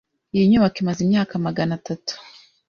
Iyi nyubako imaze imyaka magana atatu.